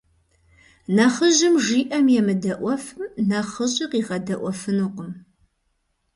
Нэхъыжьым жиӀэм емыдэӀуэфым, нэхъыщӀи къигъэдэӀуэфынукъым.